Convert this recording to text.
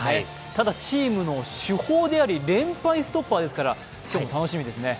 ただ、チームの主砲であり連敗ストッパーですから、今日も楽しみですね。